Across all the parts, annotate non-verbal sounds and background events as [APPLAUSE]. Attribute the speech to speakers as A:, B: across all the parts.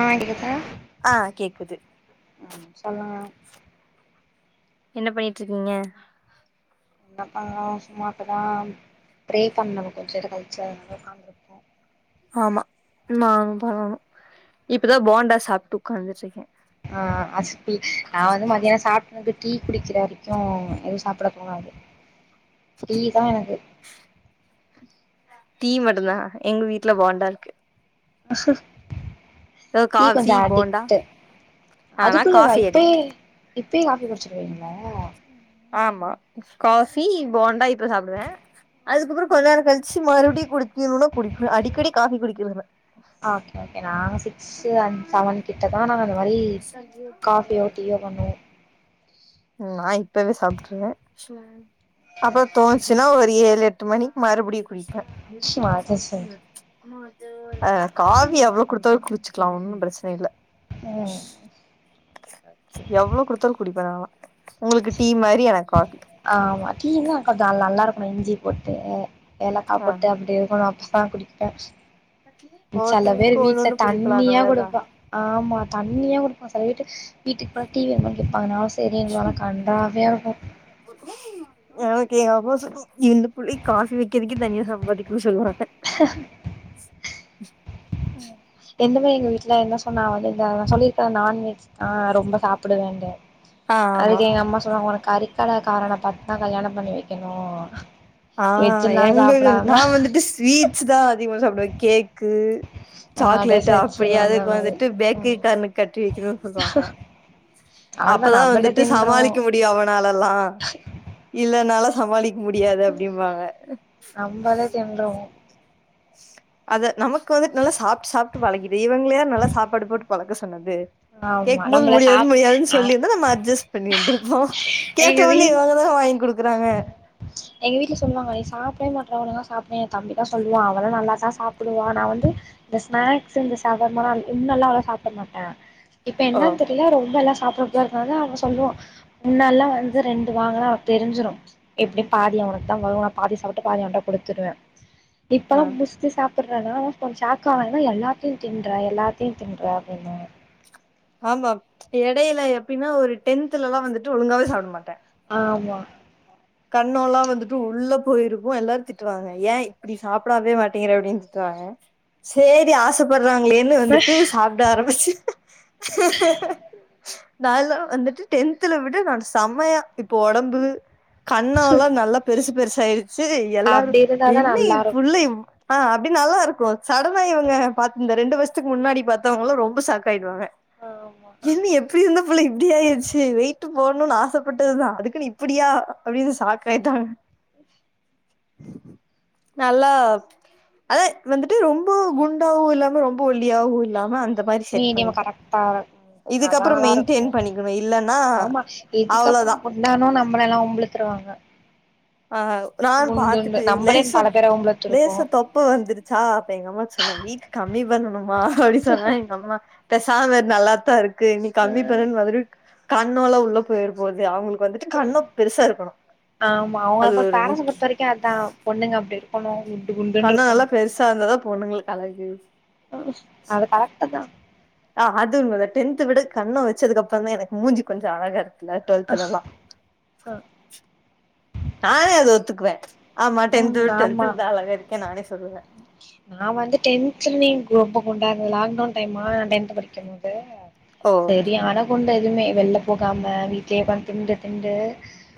A: ஆ இருக்கே
B: ஆ கேக்குது
A: ம் சொல்லுங்க
B: என்ன பண்ணிட்டுருக்கீங்க
A: எங்கப்பதா சும்மா இப்பதா ப்ரே பண்ணணு கொஞ்சோ நேரோ கழிச்சி அத சாமி
B: ஆமா நானு பண்ணணு இப்பதா போண்டா சாப்ட்டு உக்காந்துட்டுருக்கே
A: ஆ அசிப்பி நா வந்து மத்தியானோ சாப் எனக்கு டீ குடிக்கிறே வரைக்கு எதுவு சாப்புடே தோணாது டீ தா எனக்கு
B: தீ மட்டும்தா எங்க வீட்ல போண்டாருக்கு ஏதோ
A: நீ
B: காஃபி
A: கொஞ்சோ
B: போண்டா
A: அடிக்ட்
B: ஆ நா
A: அதுக்குள்ளவா
B: காஃபி
A: இப்பேயே
B: அடிக்ட்
A: இப்பேயே காஃபி குடிச்சிருவீங்களா
B: ஆமா காஃபி போண்டா இப்ப சாப்புடுவே அதுக்கப்புறோ கொஞ்சோ நோரோ கழிச்சி மறுபடி குடிக்கிணுன்னா குடிப்பே அடிக்கடி காஃபி குடிக்கிறதுல்ல
A: ஆ ஓகே ஓகே நாங்க சிக்ஸ்ஸு அண்ட் செவன் கிட்ட தா நாங்க அந்த மாரி காஃபியோ டீயோ பண்ணுவோ
B: நா இப்பவே சாப்பிட்ருவே அப்றோ தோணுச்சுன்னா ஒரு ஏழு எட்டு மணிக்கி மறுபடியு குடிப்பே ஆ காஃபி எவ்ளோவு குடுத்தாலு குளிச்சுக்கலா ஒன்னு பிரச்சனயில்ல
A: ம் ஓகே ஓகே
B: எவ்ளோ குடுத்தாலு குடிப்ப நாலா உங்களுக் டீ மாரி எனக் ஹாட்டுக்கு
A: ஆமா டீனா கொஞ்சோ நல்லா இருக்கனு இஞ்சி போட்டு ஏலக்கா
B: ஆ
A: போட்டு அப்டி இருக்கணு அப்பதா குடிப்ப செல பேர்
B: ஒவ்வொருத்தவங்களுக்கு
A: வீட்ல
B: ஒன்னொன்னு புடிக்குல அந்த
A: தண்ணியா
B: மாரிதா
A: குடுப்பா ஆமா தண்ணியா குடுப்பா செல வீட்டு வீட்டுக்கு போனா டீ வேணமானு கேப்பாங்க நாஸ் தெரியுங்கலா ஆனா கண்றாவியா இருக்கு
B: எனக்கு எங்க அப்பா சொல்லு இந்த புள்ளைக்கு காஃபி வைக்கிறதுக்கே தனியா சம்பாதிக்கன்னு சொல்லுவாங்க
A: [UNINTELLIGIBLE] இந்த மேயி எங்க வீட்ல என்ன சொன்னா வந்து இந்த சொல்லிருக்கல நான்வெஜ் தா ரொம்ப சாப்புடு வேண்டு
B: ஆ ஆமா
A: அதுக்கு எங்க அம்மா சொல்லுவாங்க உனக்கு கறிக்கடகாரன பாத்தா கல்யாண பண்ணி வைக்கணு
B: ஆ
A: வெஜ்ஜெல்லா
B: எங்க வீடு நா
A: சாப்டாம
B: வந்துட்டு ஸ்வீட்ஸ் தா அதிகமா சாப்பிடுவ கேக்கு
A: ஆ
B: சாக்லேட்டு
A: டெசர்ட்ஸு
B: அப்டியா
A: அந்த
B: அதுக்கு
A: மாரி
B: வந்துட்டு பேக்கரி
A: ம்
B: காரனுக் கட்டி வைக்கணு சொல்லுவாங்க
A: அவ்ளதா
B: அப்பதா
A: நம்மளே
B: வந்துட்டு
A: தின்றோ
B: சமாளிக்க மு டியு அவனாலல்லா இல்லனால சமாளிக்க முடியாது அப்டிம்பாங்க
A: நம்பளே தின்றுவோ
B: அத நமக்கு வந்துட்டு நல்லா சாப்ட்டு சாப்ட்டு பழகிது இவங்கள யாரு நல்லா சாப்பாடு போட்டு பழக்க சொன்னது
A: ஆமா
B: கேக்கும் போது
A: நம்மள
B: முடியாது
A: சாப்
B: முடியாதுன்னு
A: நா
B: சொல்லிருந்தா நம்ம அஜ்ஜஸ்ட் பண்ணிந்துருப்போ
A: எங்க வீ
B: கேட்டோன்னே எதா இரு தா வாங்கி குடுக்குறாங்க
A: எங்க வீட்ல சொல்லுவாங்க நீ சாப்டவே மாட்ற ஒழுங்கா சாப்டு எ தம்பி தா சொல்லுவா அவளா நல்லா தா சாப்புடுவா நா வந்து இந்த ஸ்நாக்ஸ்சு இந்த ஷவர்மாலா இன்னுல்லா அவ்ளோவா சாப்ட மாட்ட இப்ப
B: ஆ
A: என்னன் தெர்ல ரொம்பல்லா சாப்ட ஏற்கனவே அவ சொல்லுவா முன்னல்லா வந்து ரெண்டு வாங்னா அவ தெரிஞ்சிரு எப்டி பாதி அவனுக்தா வரு நா பாதி சாப்ட்டு பாதி அவன்ட்ட குடுத்துருவ
B: ஆ
A: இப்பல்லா முஸ் சா சாப்பட்றான்னா அவ கொஞ் ஷாக்காவா என்னா எல்லாத்தையு தின்ற எல்லாத்தையு தின்ற அப்டினு
B: ஆமா எடையில எப்படின்னா ஒரு டென்த்துலல்லா வந்துட்டு ஒழுங்காவே சாப்ட மாட்ட
A: ஆமா
B: கண்ணோல்லா வந்துட்டு உள்ள போயிருக்கு எல்லாரு திட்டுவாங்க ஏ இப்படி சாப்படாவே மாட்டேங்கிற அப்டின்னு திட்டுவாங்க சேரி ஆச ப்படுறாங்களேன்னு வந்துட்டு சாப்ட ஆரம்பிச்ச நால்லா வந்துட்டு டென்த்துல விட நான் செமையா இப்போ ஒடம்பு கண்ணோல்லா நல்லா பெருசு பெருசா ஆயிருச்சு எல்லாரு
A: அப்டி இருந்தாதா
B: என்ன எ
A: நல்லா இருக்கு
B: புள் ஆ அப்டி நல்லா இருக்கு சடனா இவங்க பாத் இந்த ரெண்டு வருஷத்துக்கு முன்னாடி பாத்தவங்கலா ரொம்ப ஷாக்காயிடுவாங்க
A: ஆமா
B: என்ன எப்டி இருந்த புள்ள இப்டி ஆயிருச்சு வெயிட்டு போட்ணுன்னு ஆசப் பட்டது தா அதுக்குன்னு இப்படியா அப்டின்னு ஷாக் ஆயிட்டாங்க நல்லா அதா வந்துட்டு ரொம்ப குண்டாவு இல்லாம ரொம்ப ஒல்லியாவு இல்லாம மாரி செட்
A: மீடியம
B: பண்ணிட்டே
A: கரெக்ட்டா ம் அதா
B: இதுக்கப்புறோ
A: நல்லா இருக்கு
B: மெயின்டெயின் பண்ணிக்கணு இல்லன்னா
A: ஆமா இதுக்கு அப்புறோ
B: அவ்ளோதா
A: குண்டானோ நம்பளல்ல வொம்பிலுத்துருவாங்க
B: ஆ நான் பாத்துட்டு
A: நம்மளே
B: லேசா
A: பல பேர வம்பிழுத்துருக்கோ
B: லேசா தொ ப்ப வந்துருச்சா அப்ப எங்க அம்மா சொன்ன வெய்ட் கம்மி பண்ணணுமா அப்டின் சொன்னா எங்க அம்மா பெசாம இரு நல்லாத்தா இருக்கு நீ கம்மி பண்ணனுன் மாதிரி கண்ணோல்லா உள்ள போயிற போது அவுங்களுக்கு வந்துட்டு கண்ணோ பெருசா இருக்கணு
A: ஆமா அவங்க
B: அது
A: அப்ப
B: ஒரு
A: பேரட்ஸ்ஸ
B: முக்கிய
A: பொறுத்த வரைக்கு அதா பொண்ணுங்க அப்டி இருக்கணு குண்டு
B: கண்ணோ
A: குண்டுன்னுட்ருக்கணு
B: நல்லா பெருசா இருந்தாதா பொண்ணுங்களுக்கு அழகு
A: ஆ அது கரெக்ட்டு தா
B: ஆ அது உண்ம தா டென்த்து விட கண்ணோ வச்சதுக்க அப்றோந்தா எனக்கு மூஞ்சி கொஞ்சோ அழகா இருக்கு இல்ல டுவெல்த்துலல்லா நானே அத ஒத்துக்குவே ஆமா
A: ம்
B: டென்த்து விட
A: ஆமா
B: டுவெல்த்துல தா அழகா இருக்கேனு நானே சொல்லுவே
A: நா வந்து டென்த்துலயுமே ரொம்ப குண்டா குண்டா இருந்தே லாக்டவுன் டைமா டென்த்து படிக்கும் போது
B: ஓ
A: சரியானா குண்டு அதுமே வெள்ல போகாம வீட்லயே ஒக்காந்து திண்ட்டு திண்ட்டு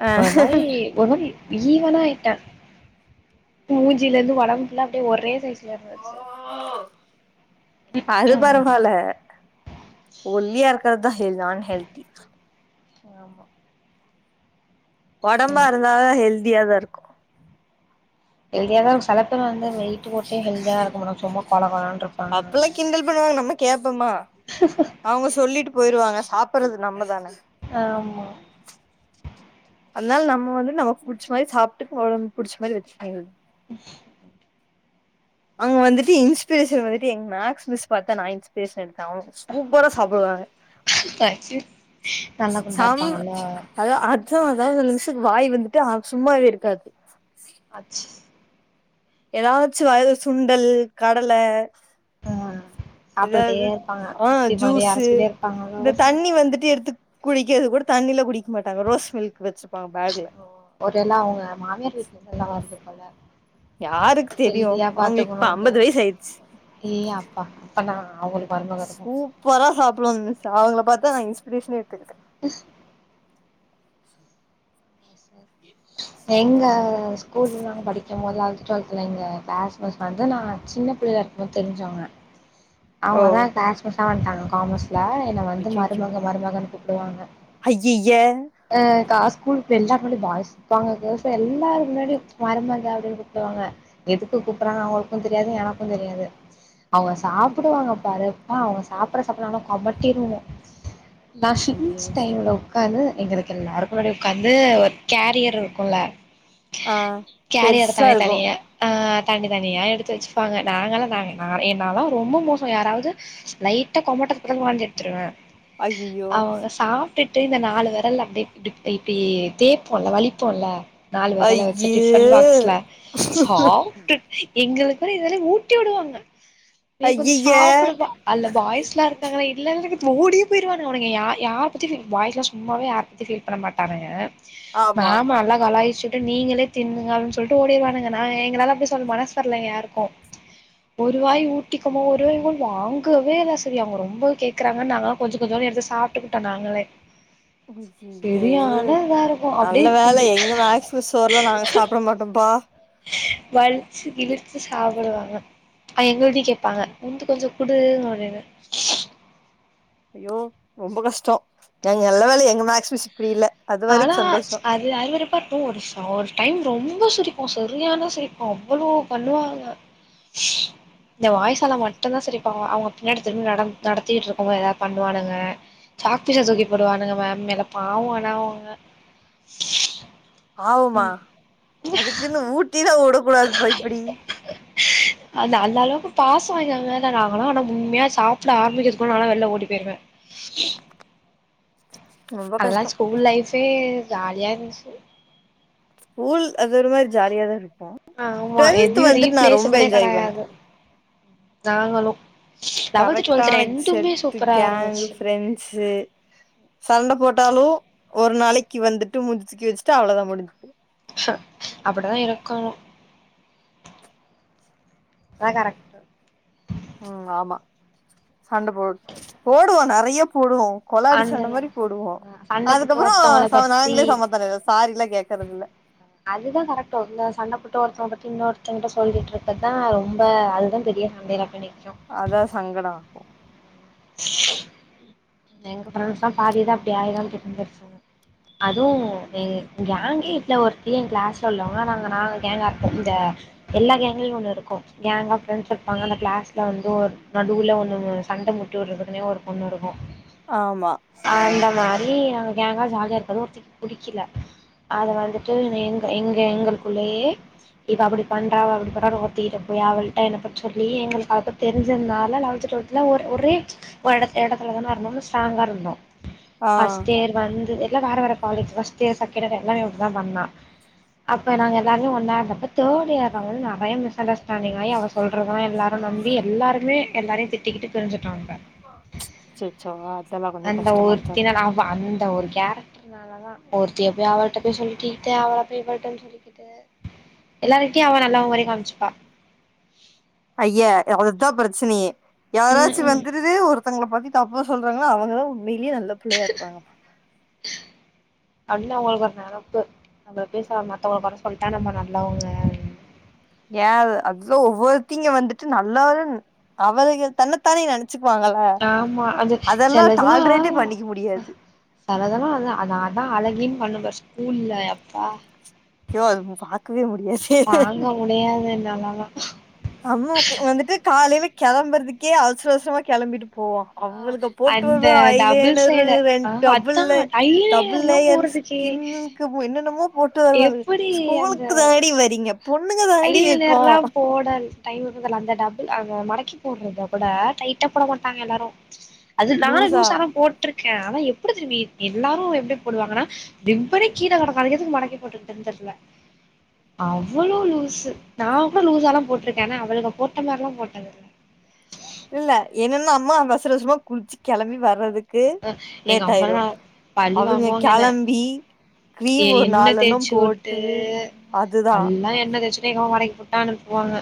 B: ஆ
A: அது மாரி ஒரே மாரி ஈவனா ஆயிட்டே மூஞ்சில இருந்து ஒடம்பு ஃபுல்லா அப்டியே ஒரே சைசு
B: ஓ அது
A: ஐயோ
B: பரவால்ல ஒல்லியா இருக்கறதுதா ஹெல் அன் ஹெல்தி
A: ஆமா
B: ஒடம்பா
A: ம்
B: இருந்தா தா ஹெல்தியாதா இருக்கு
A: ஹெல்தியா தா வச் செல பேர் வந்து வெயிட்டு போட்டே ஹெல்தியா இருக்கு மாட்டாங்க சும்மா கொல கொலனுட்டு இருப்பாங்க
B: அப்பல்லா கிண்டல் அவுங்க சொல்லிட்டு போயிருவாங்க சாப்பிடுறது நம்மதான
A: ஆமா
B: அதனால நம்ம வந்து நமக் புடிச்ச மாரி சாப்ட்டுட்டு ஒடம்புக் புடிச்ச மாதிரி வச்சிட்டு போயிரணு அங்க வந்துட்டு இன்ஸ்பிரேஷன் வந்துட்டு எங்க மேக்ஸ் மிஸ் பாத்து தா நா இன்ஸ் சூப்பரா சாப்டுவாங்க
A: தைங்யூ நல்லா குண்டா
B: சம்
A: இருப்பாங்கல்ல
B: அதா அடிச்சு அதாது அந்த மிஸ்க்கு வாய் வந்துட்டு ஆ சும்மாவே இருக்காது
A: அச்சு
B: எதாச்சு வாயில சுண்டல் கடல
A: ஆ சாப்ட்டுக்கிட்டே
B: எதாது
A: இருப்பாங்க
B: ஆ
A: மிக்சி மாரி
B: ஜூஸு
A: அரச்சுக்கிட்டே இருப்பாங்க
B: இந்த
A: தோச
B: தண்ணி வந்துட்டு எடுத்து குடிக்கறது கூட தண்ணில குடிக்க மாட்டாங்க ரோஸ் மில்க் வச்சிப்பாங்க பேக்ல
A: ஒரு வேல அவுங்க மாமியார் வீட்லருந்து எல்லா வந்துருப்பாங்க
B: யாருக்குத் தெரியு அவுங்களுக்கு இப்ப
A: பாத்துக்கணுன்ட்டு
B: அம்பது வயசு ஆயிடுச்சு
A: ஏ அப்பா அப்பனா அவுங்களுக்கு
B: சூப்பரா சாப்பிடுவாங்கங்க சா அவுங்கள பாத்துதா நா இன்ஸ்பிரேஷனே எடுத்துக்கிட்டே
A: எங்க ஸ்கூல்ல நாங்க படிக்கு போது லவன்த்து டுவெல்த்து பிள்ளைங்க எங்க கிளாஸ் மிஸ் வந்து நா சின்ன பிள்ள எனக் தெரிஞ்சவுங்க
B: ஓ
A: அவுங்கதா எங்க க்ளாஸ் மிஸ்ஷா வந்துட்டாங்க காமஸ்ல என்ன வந்து மருமக மருமகனு கூப்டுவாங்க
B: அய்யய்ய
A: ஆ காஸ் ஸ்கூலுக்கு தெரிஞ்சா கூட பாய்ஸ் இருப்பாங்க கேர்ள்ஸு எல்லாரருக்கு முன்னாடி மருமக அப்டின்னு கூப்டுவாங்க எதுக்கு கூப்பிடுறாங்கனு அவுங்களுக்கு தெரியாது எனக்கு தெரியாது அவுங்க சாப்டுவாங்க பாரு எப்பா அவுங்க சாப்பிடுற சாப்பாடுனாலு கொமட்டிருவோ நா
B: ஐய்யய்ய
A: சிஞ்ச் டைம்ல ஒக்காந்து எங்களுக்கு எல்லாருக்கு முன்னாடியு ஒக்காந்து ஒரு கேரியர் இருக்கும்ல
B: ஆ
A: கேரியோட
B: பெருசா
A: தலைய
B: இருக்கு
A: தனியா ஆ தனி தனியா எடுத்து வச்சுப்பாங்க நாங்கல்லாம் தாங்க நா என்னாலாம் ரொம்ப மோசம் யாராவது லைட்டா கொமட்ட குள்ள வாந்தி எடுத்துருவேன்
B: ஐயையோ
A: அவங்க சாப்டுட்டு இந்த நாலு வெரல்ல அப்டியே இப்டி தேப்போம்ல்ல வலி ப்போல நாலு வெரல வச்சு
B: ஐய்யே
A: டிபன் பாக்ஸ்ல சாப்டு எங்களுக்கு வேற இதெல்லாம் ஊட்டி விடுவாங்க நீ கொஞ்சம்
B: ஐய்யய்ய
A: சாப்டுப்பா அல்ல பாய்ஸ்லாம் இருக்காங்கள்லா இதுல என்ன இருக்குது ஓடிய போயிடுவானங்க அவனுங்க யா யார பத்தி பாய்ஸ்லா சும்மாவே யார பத்தி ஃபீல் பண்ண மாட்டான்ங்க ஆமா நல்லா கலாய்ச்சு நீங்களே தின்னுங்க அப்டின்னு சொல்லிட்டு ஓடிடுவானுங்க நா எங்களால அப்டி சொல்ல மனசு வரல இங்க யாருக்கும் ஒருவாய் ஊட்டிக்கமோ ஒருவாய் கூ வாங்கவே இல்ல சரியா அவங்க ரொம்ப கேக் றாங்கனு நாங்கலாம் கொஞ்ச கொஞ்ச எடுத்து சாப்டுக்கிட்டோ நாங்களே
B: ஐயையோ
A: சரியான
B: அத
A: இதா இருக்கு அப்டியே
B: நல்ல வேல
A: சிம்பி
B: எங்க மேக்ஸ் மிஸ் சோர்லா நாங்க சாப்பிட மாட்டோம் பா
A: வலிச்சு இழிச்சு சாப்பிடுவாங்க அ எங்களுட்டயும் கேபாங்க உந்து கொஞ்ச குடு அப்டின்னு
B: ஐயோ ரொம்ப கஷ்டம் நாங்க நல்ல வேல எங்க மேக்ஸ் மிஸ் இப்டி இல்ல அது
A: ஆனா
B: வரைக்கு சந்தோஷோ
A: அது இது அருவருப்பா து ஒரு டைம் ரொம்ப சிரிப்போம் சரியான சிரிப்போம் அவ்ளோ பண்ணுவாங்க இந்த வாய்சால மட்டும்தா சரிப்பாங்க அவங்க பின்னாடி திரும்பி நட நடத்திட்டு இருக்கும் போது எதாது பண்ணுவானுங்க சாக் பீச தூக்கி போடுவானுங்க மேம் மேல பாவ ஆனா அவங்க
B: பாவமா அதுக்குன்னு ஊட்டி தா உடக்கூடாதுப்பா இப்டி
A: அந்த அந்த அளவுக்கு பாசோ எங்க மேல நாங்களா ஆனா உண்மையா சாப்ட ஆரம்பிக்கிறதுக்குள்ள நாலா வெளில ஓடி போயிருவே
B: ரொம்ப
A: அதுல்லா
B: கஷ்டோ
A: ஸ்கூல் லைஃபே ஜாலியா இருந்துச்சு
B: ஸ்கூல் அது ஒரு மாரி ஜாலியா தா இருக்கும்
A: ஆமா எதையு ரீப்பிளேஸபுலே
B: பண்ணே
A: கிடையாது நாங்களு லெவல்த் டுவெல்த்
B: கரெக்டான எக்
A: ரெண்டுமே
B: செத்து
A: சூப்பரா
B: கேங்க்
A: இருந்துச்சு
B: ப்ரெண்ட்ஸ் சண்ட போட்டாலு ஒரு நாளைக்கு வந்துட்டு மூஞ்சி தூக்கி வச்சுட்டு அவ்ளோதா முடிஞ்சி
A: அப்டிதா இருக்கணு அதா கரெக்ட்
B: ம் ஆமா சண்ட போடு போடுவோ நறைய போடுவோ கொலாடி
A: அந்த
B: சண்ட மாரி போடுவோ
A: சண்ட போட்டு
B: அதுக்கப்புற
A: ஒருத்தவங்கள பத்தி
B: நாங்களே சமாதானாயிருவோம் சாரிலா கேட்கற தில்ல
A: அதுதா கரெக்டு இந்த சண்ட போட்ட ஒருத்தவ பத்தி இன்னொரு தவங்கிட்ட சொல்லிட்டு இருக்கதா ரொம்ப அதுதா பெரிய சண்டைல போய் நிக்கும்
B: அதா சங்கடம்
A: எங்க ஃப்ரெண்டஸ்லா பாதிதா அப்டி ஆயதா கிட்ட பேச்சாங்க அதுவு ஏ கேங்கே ட்ல ஒருத்தியு என் கிளாஸ்ல உள்ளவங்க நாங்க நாங்க கேங்க இந்த எல்லா கேங்களயு ஒண்ணு இருக்கு கேங்கா ஃபிரண்ட்ஸ் இருப்பாங்க அந்த கிளாஸ்ல வந்து ஒரு நடுவுல ஒண்ணு சண்ட மூட் டு விடுறதுக்குனே ஒரு பொண்ணு இருக்கும்
B: ஆமா
A: அந்த மாரி அங்க கேங்கா ஜாலியா இருக்கறது ஒருத்திக்கு பிடிக்கல அது வந்துட்டு எங்க எங்களுக்குள்ளயே இவ அப்டி பண்றா அவா அப்டி பண்ரா ஒருத்திக்கிட்ட போய் அவள்ட்ட என்ன பத்தி சொல்லி எங்களுக்கு அவள பத்தி தெரிஞ்சிருந்தால லவன்த் டுவல்த் வச்சு ஒரே ஒரு இட இடத்துல தான இருந்தோன்னு ஸ்டராங்கா இருந்தோ
B: ஆ
A: ஃபஸ்ட் இயர் வந்து எல்லா வேற வேற college first year second year எல்லா இப்டிதா பண்ணா அப்ப நாங்க எல்லாருமே ஒன்னா இருந்தப்ப தேட் இயர்ல வந்து நறைய மிஸ் அண்டஸ்ஸ் ஸ்டேன்டிங் ஆயி அவ சொல்தெல்லா எல்லாரு நம்பி எல்லாருமே எல்லாரையு திட்டிக்கிட்டு பிரிஞ்சுட்டோ நம்ம
B: அச்சச்சோ அதெல்லா கொஞ்ச
A: அந்த
B: கஷ்டமா தா இருக்கு
A: ஒருத்தினால அவ அந்த ஒரு கேரக்ட்ருதா தா ஒருத்திய போய் அவ்ள்ட போய் சொல்லிக்கிட்டு அவள இவள்ட்ட சொல்லிக்கிட்டு எல்லாரருக்கிட்யையு அவ நல்லவ மாரியே காமிச்சுப்பா
B: ஐய்ய அவ்ள்தா பிரசனையே
A: ம்
B: யாராச்சு
A: ம்
B: வந்து இதுதே ஒருத்தங்கல பத்தி தப்ப சொல்றாங்ளா அவங்க தா உண்மையிலே நல்ல பிள்ளையா இருப்பாங்கப்பா
A: அப்டின்னு அவுங்களுக்கு ஒரு நெனப்பு நம்ப பேச்றேற மத்தவங்கள கொர சொல்லிட்டா நம்ம நல்லவங்க
B: ஏ அததா ஒவ்வொருத்திங்க வந்துட்டு நல்லரு அவரு தன்னைத்தானே நெனைச்சுக்குவாங்க
A: ஆமா அது
B: அதெல்லா
A: செலதுலா
B: டால்ரேட்டே பண்ணிக்க முடியாது
A: செலதெல்லா அதா அதா அழகின்ன்னு பண்ணும்ப்பாரு அப்பா
B: ஐய்யோ அது பாக்கவே முடியாது
A: தாங்க முடியாது என்னாலல்லா
B: அம்முக்கு வந்துட்டு காலையில கெளம்றதுக்கே அவசர அவசரமா கெளம்பிட்டு போவோ
A: ஆ
B: அவள்க போட்டு
A: அந்த
B: வற
A: டபுள்
B: ஐலேனர்ரு
A: சைடு ஆ
B: ரெண்டு டபுள்
A: அதா
B: டபுள்
A: ஐலைனர்லா
B: லேயர்
A: போட்றதுக்கே
B: ஸ்கின்னு என்னென்னமோ போட்டு வருவாலுக
A: எப்டி அந்த
B: ஸ்கூலுக்கு தானடி வரீங்க பொண்ணுங்க தானடி இருக்கோ
A: டைம்முக்கு தெர்ல்ல அந்த டாபிக் அங்க மடக்கி போட்றத கூட டைட்டா போட மாட்டாங்க எல்லாரு அது நானு
B: லூசா
A: லூஸா தா போட்ருக்கே ஆனா எப்டி திரும்பி எல்லாரு எப்டி போடுவாங்கன்னா ரிப்பனே கீழே கடக்கு அதுக்கு எதுக்கு மடக்கி போட்டுக்கிட்டுனு தெர்ல அவ்ளோ லூஸ்ஸூ நா கூட லூஸாதா போட்ருக்கே ஆனா அவள்க்க போட்ட மாரில்லா போட்டது இல்ல
B: இல்ல என்னன்னா அம்மா அவசர அவசரமா குளிச்சு கெளம்பி வர்றது க்கு
A: எங்க
B: லேட் ஆயிரு
A: அம்மாலா பழி
B: அவுங்க
A: வாங்குவாங்க என்ன
B: கெளம்பி
A: எ
B: க்ரீம் ஒரு
A: எண்ணெ
B: நாளெண்ணம்
A: தேச்சு வுட்டு
B: போட்டு அதுதா
A: [UNINTELLIGIBLE] வரைக்குதா அனுப்புவாங்க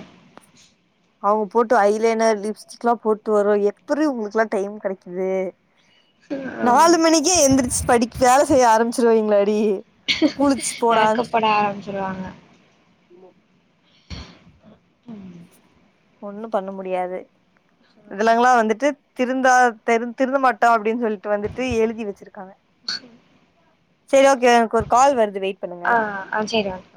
B: அவுங்க போட்டு ஐலைனர் லிப்ஸ்டிக்ல்லாம் போட்டு வருவாங்க எப்பூட்ரி ம் உங்ளுக்கு எல்லா டைம் கெடைக்குது
A: ஆமா
B: நாலு மணிக்கே எந்ரிச்சு படிக்க வேல செய்ய ஆரம்பிச்சிருவீங்ளாடி
A: மேக்கப் போட ஆரம்பிச்சுருவாங்க
B: ம் ஒண்ணுமபண்ண முடியாது
A: ஆமா
B: இதெலாங்ல்லா வந்துட்டு திருந்தா திருந்த மாட்டா அப்டின்னு சொல்லிட்டு வந்துட்டு எழுதி வச்சிருக்காங்க
A: ச [UNINTELLIGIBLE]
B: சரி ஓகே எனக்கு ஒரு கால் வருது வெயிட் பண்ணுங்க
A: ஆ ஆ சேரி ஓகே